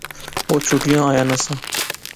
او چھٹیا آیا ناں سا